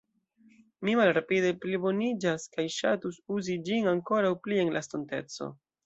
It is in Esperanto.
Mi malrapide pliboniĝas kaj ŝatus uzi ĝin ankoraŭ pli en la estonteco.